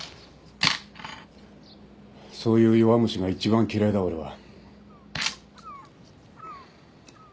そういう弱虫がいちばん嫌いだ俺は。